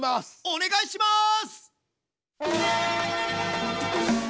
お願いします！